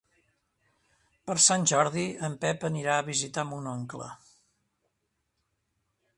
Per Sant Jordi en Pep anirà a visitar mon oncle.